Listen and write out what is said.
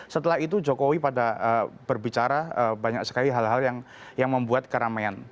setelah itu jokowi pada berbicara banyak sekali hal hal yang membuat keramaian